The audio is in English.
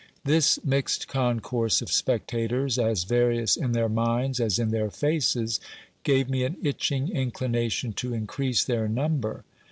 This mixed concourse of spectators, as various in their minds as in their faces, gave me an itching inclination to increase their number.